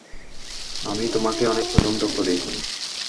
আমি তোমাকে অনেক পছন্দ করি।